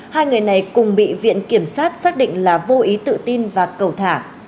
hai người này cùng bị viện kiểm sát xác định là vô ý tự tin và cầu thả